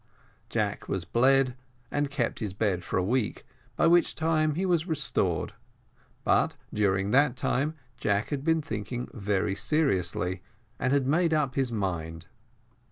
Jack was bled, and kept his bed for a week, by which time he was restored; but during that time Jack had been thinking very seriously, and had made up his mind.